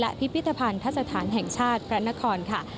และพิพิธภัณฑ์ทัศนธ์แห่งชาติกรรมนครค่ะ